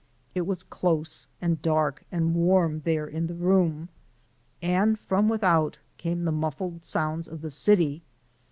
It was close and dark and warm there in the room, and from without came the muffled sounds of the city.